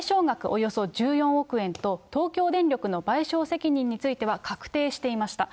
およそ１４億円と、東京電力の賠償責任については確定していました。